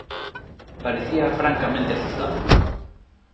Parecía francamente asustado.